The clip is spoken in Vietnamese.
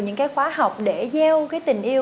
những khóa học để gieo tình yêu